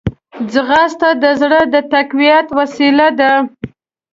ځغاسته د زړه د تقویت وسیله ده